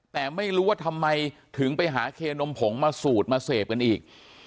แต่ไม่รู้ว่าทำไมถึงไปหาเคนมผงมาสูดมาเสพกันอีก